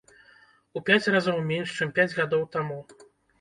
У пяць разоў менш, чым пяць гадоў таму?